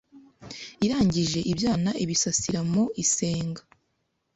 irangije ibyana ibisasira mu isenga,